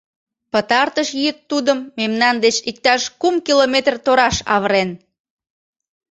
Пытартыш йӱд тудым мемнан деч иктаж кум километр тораш авырен.